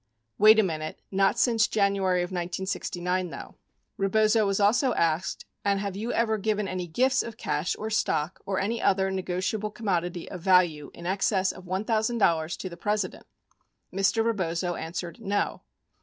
Wait a minute, not since January of 1969, though." 38 Rebozo was also asked, "And have you ever given any gifts of cash or stock or any other negotiable com modity of value in excess of $1,000 to the President?" Mr. Rebozo an swered, "No."